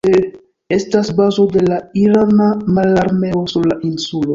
Estas bazo de la irana mararmeo sur la insulo.